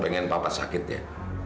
pengen bapak sakit ya